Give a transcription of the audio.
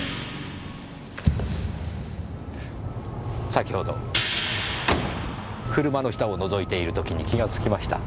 先ほど車の下を覗いている時に気が付きました。